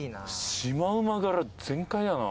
シマウマ柄全開だな。